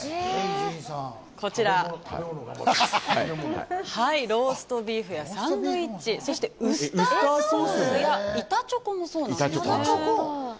こちら、ローストビーフやサンドイッチそしてウスターソースや板チョコもそうなんですね。